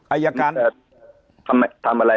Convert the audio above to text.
อายการทำอะไร